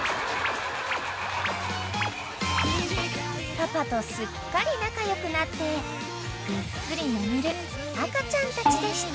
［パパとすっかり仲良くなってぐっすり眠る赤ちゃんたちでした］